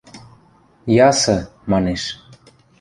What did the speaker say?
Ясы, манеш...